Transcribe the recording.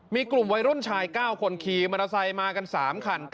มีกลุ่มวัยรุ่นชาย๙คนขี่มอเตอร์ไซค์มากัน๓คัน